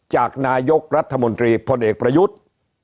จากนายกรัฐมนตรีพลเอกประยุทธ์